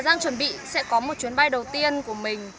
giang chuẩn bị sẽ có một chuyến bay đầu tiên của mình